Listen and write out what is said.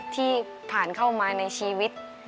ที่ผ่านมาเข้ามาในชีวิต